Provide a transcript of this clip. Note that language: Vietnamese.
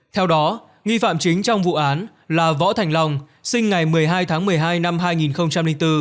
theo đó nghi phạm chính trong vụ án là võ thành long sinh ngày một mươi hai tháng một mươi hai năm hai nghìn bốn